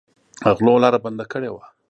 غلو لاره بنده کړې وه.